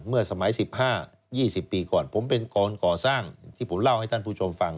เมื่อสมัย๑๕๒๐ปีก่อนผมเป็นกรก่อสร้างที่ผมเล่าให้ท่านผู้ชมฟัง